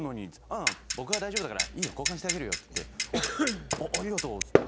うん僕は大丈夫だからいいよ交換してあげるよって言ってありがとうっつって。